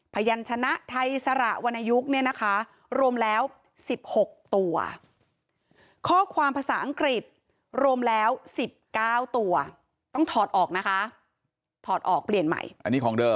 พญานชนะไทยสระวนายุคเนี่ยนะคะ